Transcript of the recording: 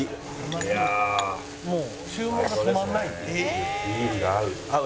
「もう注文が止まんない」「えーっ！」